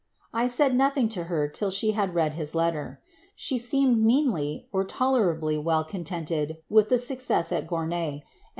1 said nothing to her till she had read his letter. She seemed meanly (tolerably) well contented with the success at Gornye , VOL.